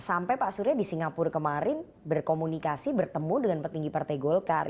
sampai pak surya di singapura kemarin berkomunikasi bertemu dengan petinggi partai golkar